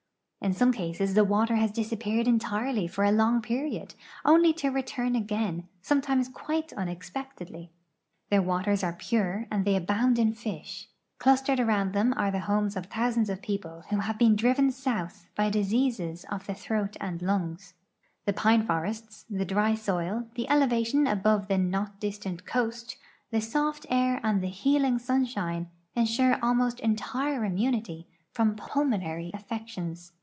In some cases the water has disappeared entirely for a long i)eriod, only to return again, sometimes (piite unexpectedly. 'I'heir waters are pure and they abound in fish. Clustered around them are the homes of thousands of people who have I)een driven south by diseases of the throat and lungs, d'he pine forests, the dry soil, the elevation alx^ve the not distant coast, the soft air and the healing sunshine insure almost entire immunity from pul monary affections.